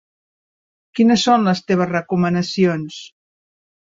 Quines són les teves recomanacions?